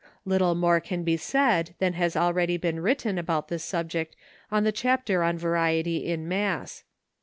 Little more can be said than has already been written about this subject in the chapter on variety in mass.